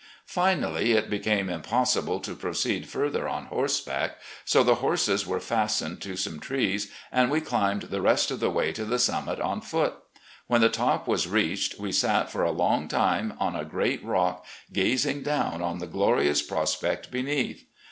Finally it became impossible to proceed further on horse back, so the horses were fastened to some trees and we climbed the rest of the way to the summit on foot. When the top was reached, we sat for a long time on a great rode, gazing down on the glorious prospect beneath.